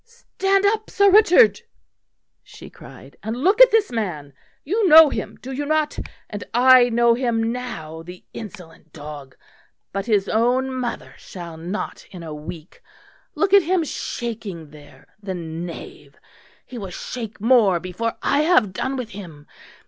"Stand up, Sir Richard," she cried, "and look at this man. You know him, do you not? and I know him now, the insolent dog! But his own mother shall not in a week. Look at him shaking there, the knave; he will shake more before I have done with him.